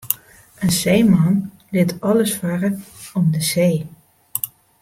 In seeman lit alles farre om de see.